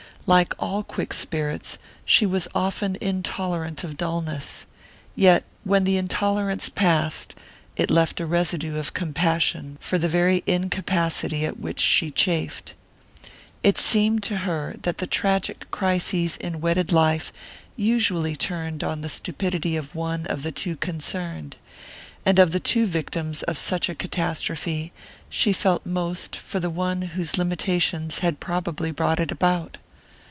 Like all quick spirits she was often intolerant of dulness; yet when the intolerance passed it left a residue of compassion for the very incapacity at which she chafed. It seemed to her that the tragic crises in wedded life usually turned on the stupidity of one of the two concerned; and of the two victims of such a catastrophe she felt most for the one whose limitations had probably brought it about.